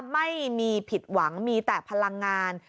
ไม่มีผิดหวังมีแต่พลังงาน